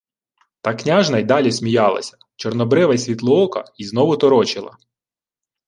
Та княжна й далі сміялася, чорнобрива й світлоока, й знову торочила: